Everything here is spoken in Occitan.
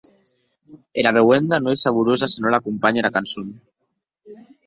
Era beuenda non ei saborosa se non l’acompanhe era cançon.